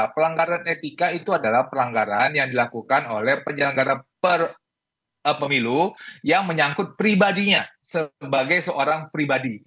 pelanggaran etika itu adalah pelanggaran yang dilakukan oleh penyelenggara pemilu yang menyangkut pribadinya sebagai seorang pribadi